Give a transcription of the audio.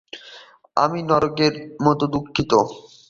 আমি নরকের মত দুঃখিত।